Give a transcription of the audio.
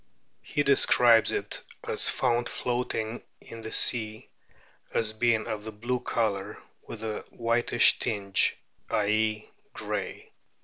He describes it as found floatino in the o sea, as being of a blue colour with a whitish tinge, i.e., grey.